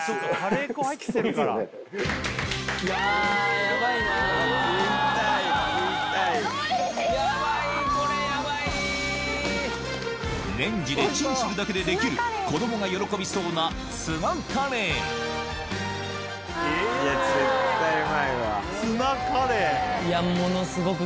レンジでチンするだけでできる子供が喜びそうなツナカレーツナカレー。